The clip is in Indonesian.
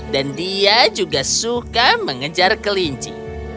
dan dia juga suka mengejar kelinci